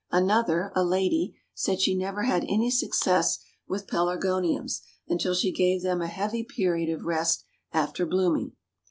Another, a lady, said she never had any success with Pelargoniums until she gave them a heavy period of rest after blooming.